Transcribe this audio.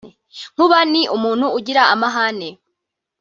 Nkuba ni umuntu ugira amahane